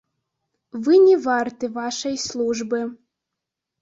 Вы не варты вашай службы.